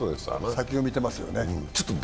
先を見てますよね。